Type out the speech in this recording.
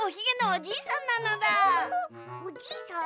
おじいさん？